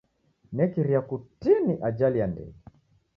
Nekiria kutini ajali ya ndege.